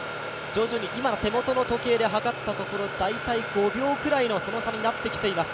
今の手元の時計で計ったところ、５秒くらいの差になっています。